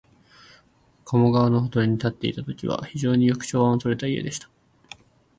加茂川のほとりに建っていたときは、非常によく調和のとれた家でした